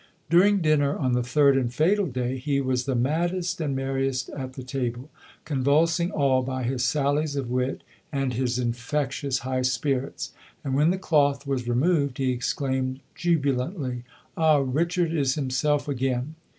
During dinner on the third and fatal day he was the maddest and merriest at the table, convulsing all by his sallies of wit and his infectious high spirits; and, when the cloth was removed, he exclaimed jubilantly, "Ah, Richard is himself again!"